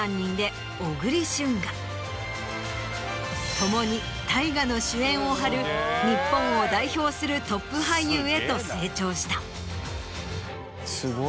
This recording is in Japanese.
共に大河の主演を張る日本を代表するトップ俳優へと成長した。